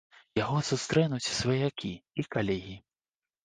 Яго сустрэнуць сваякі і калегі.